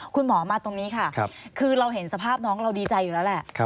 คุณหมอมาตรงนี้ค่ะคือเราเห็นสภาพน้องเราดีใจอยู่แล้วแหละ